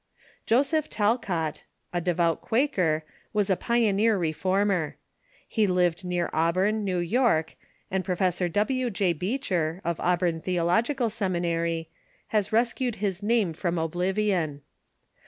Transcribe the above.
Joseph Talcott, a devout Quaker, was a pioneer reformer. He lived near Auburn, New York, and Professor W. J. Beecher, of Auburn Theological Seminary, has res The First ^^^^^^]^[^ name from oblivion.